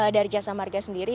dari jasa marga sendiri